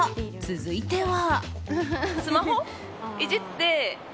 続いては。